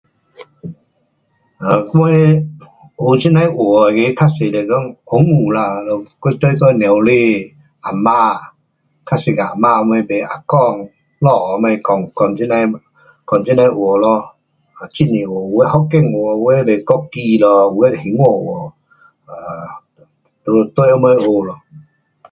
呃，我的，学这样的话那个较多是讲，温故啦，我跟我母亲，啊嫲，较多跟啊嫲他们排，啊公，老父什么讲，讲这样的，讲这样的话咯。啊很多话，有的福建话，有的是国语咯，有的是兴华话。啊，就跟他们学咯。